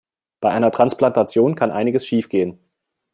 Bei einer Transplantation kann einiges schiefgehen.